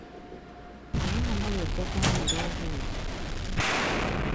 Omwana oyo ojja kumuyiira obuugi.